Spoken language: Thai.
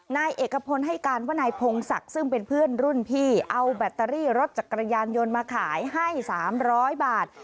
นายเอกพลให้การว่านายพงศักดิ์ซึ่งเป็นเพื่อนรุ่นพี่เอาแบตเตอรี่รถจักรยานยนต์มาขายให้๓๐๐บาท